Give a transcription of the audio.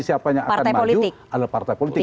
siapanya akan maju adalah partai politik